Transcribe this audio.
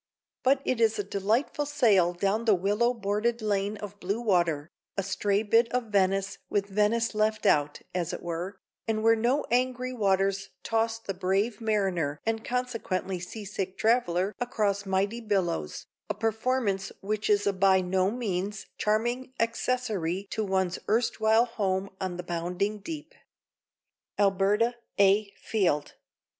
But it is a delightful sail down the willow bordered lane of blue water, a stray bit of Venice with Venice left out, as it were, and where no angry waters toss the brave mariner and consequently seasick traveler across mighty billows, a performance which is a by no means charming accessory to one's erstwhile home on the bounding deep. Alberta A. Field.